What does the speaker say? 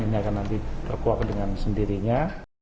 ini akan nanti terkuak dengan sendirinya